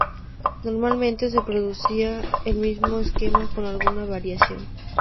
Normalmente se reproducía el mismo esquema con alguna variación.